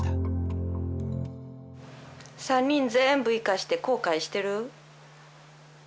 ３人全部行かして後悔してる？